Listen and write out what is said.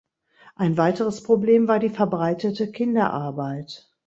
Ein weiteres Problem war die verbreitete Kinderarbeit.